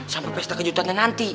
sampai pesta kejutan nanti